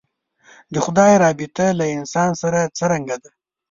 د خدای رابطه له انسان سره څرنګه ده.